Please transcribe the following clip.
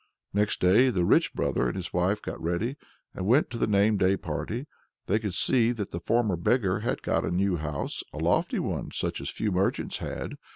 Next day the rich brother and his wife got ready, and went to the name day party. They could see that the former beggar had got a new house, a lofty one, such as few merchants had!